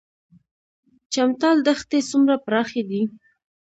چمتال دښتې څومره پراخې دي؟